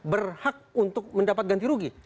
berhak untuk mendapat ganti rugi